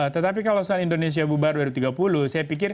tetapi kalau soal indonesia bubar rp tiga puluh